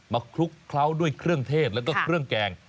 คลุกเคล้าด้วยเครื่องเทศแล้วก็เครื่องแกง